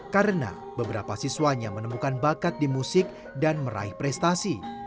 karena beberapa siswanya menemukan bakat di musik dan meraih prestasi